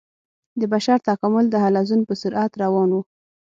د بشر تکامل د حلزون په سرعت روان و.